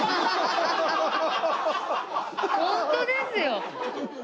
ホントですよ。